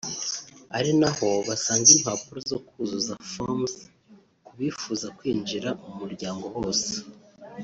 ari naho basanga impapuro zo kwuzuza (forms) ku bifuza kwinjira mu muryango bose